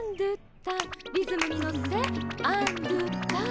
リズムに乗ってアンドゥターン。